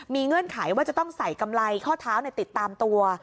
มีเงื่อนไขว่าจะต้องใส่กำไรข้อเท้าติดตามตัว